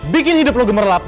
bikin hidup lo gemerlap